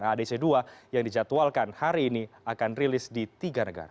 adc dua yang dijadwalkan hari ini akan rilis di tiga negara